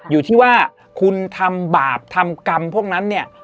อยู่ที่ว่าคุณทำบาปทำกรรมพวกนั้นเนี่ย